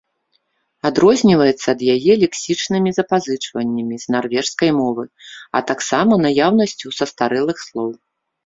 Адрозніваецца ад яе лексічнымі запазычваннямі з нарвежскай мовы, а таксама наяўнасцю састарэлых слоў.